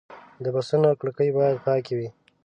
د بسونو کړکۍ باید پاکې وي.